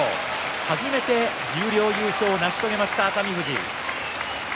初めて十両優勝を成し遂げました熱海富士。